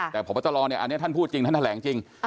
แต่พบตรอันนี้ท่านพูดจริงท่านแถลงจริง